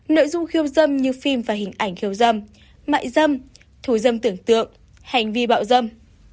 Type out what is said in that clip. nội dung khiêu dâm như phim và hình ảnh khiêu dâm mại dâm thù dâm tưởng tượng hành vi bạo dâm